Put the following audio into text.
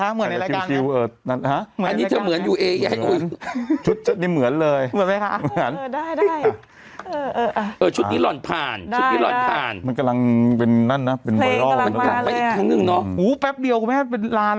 เป็นไงค่ะแม่ข้อสาวหนูเตรียมตัว